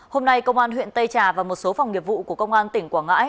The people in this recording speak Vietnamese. hôm nay công an huyện tây trà và một số phòng nghiệp vụ của công an tỉnh quảng ngãi